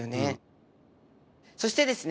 そしてですね